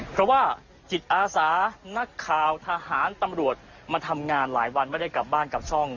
เพราะว่าจิตอาสานักข่าวทหารตำรวจมาทำงานหลายวันไม่ได้กลับบ้านกลับช่อง